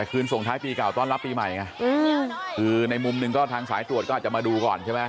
คืนส่งท้ายปีเก่าต้อนรับปีใหม่ไงคือในมุมหนึ่งก็ทางสายตรวจก็อาจจะมาดูก่อนใช่ไหม